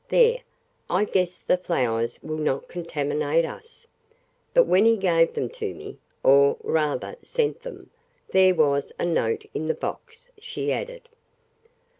"There; I guess the flowers will not contaminate us. But when he gave them to me or, rather, sent them, there was a note in the box," she added.